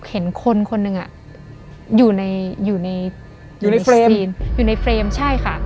เห็นคนคนหนึ่งอยู่ในอยู่ในเฟรมอยู่ในเฟรมใช่ค่ะ